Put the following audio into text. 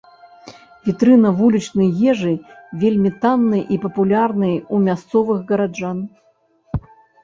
Вітрына вулічнай ежы, вельмі таннай і папулярнай у мясцовых гараджан.